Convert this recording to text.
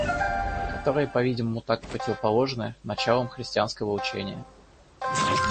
Которые по-видимому так противоположны началам христианского учения.